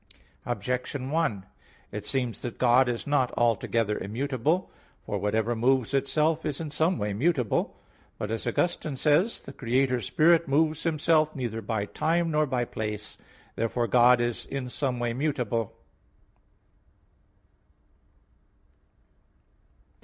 Objection 1: It seems that God is not altogether immutable. For whatever moves itself is in some way mutable. But, as Augustine says (Gen. ad lit, viii, 20), "The Creator Spirit moves Himself neither by time, nor by place." Therefore God is in some way mutable.